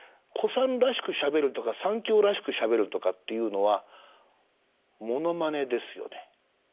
小さんらしくしゃべるとかさん喬らしくしゃべるとかっていうのはものまねですよね。